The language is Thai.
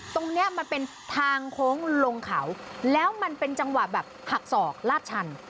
ตรงนี้มันเป็นทางโค้งลงเขาแล้วมันเป็นจังหวะแบบหักศอกลาดชัน